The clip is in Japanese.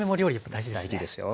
大事ですよ。